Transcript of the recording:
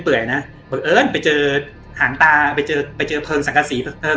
นะบังเอิญไปเจอหางตาไปเจอไปเจอเพลิงสังกษีเพลิง